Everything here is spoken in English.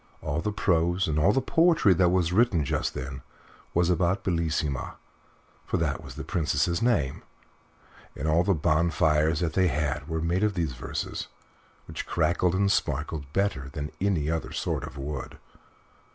All the prose and the poetry that was written just then was about Bellissima for that was the Princess's name and all the bonfires that they had were made of these verses, which crackled and sparkled better than any other sort of wood.